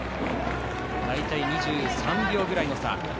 大体、２３秒ぐらいの差。